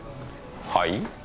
はい？